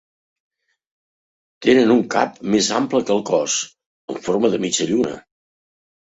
Tenen un cap més ample que el cos, en forma de mitja lluna.